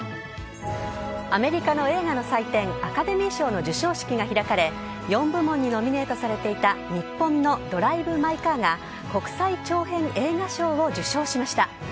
アメリカの映画の祭典、アカデミー賞の授賞式が開かれ、４部門にノミネートされていた日本のドライブ・マイ・カーが、国際長編映画賞を受賞しました。